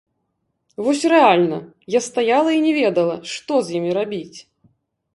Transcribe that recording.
Вось рэальна, я стаяла і не ведала, што з імі рабіць.